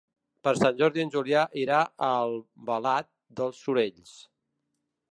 Per Sant Jordi en Julià irà a Albalat dels Sorells.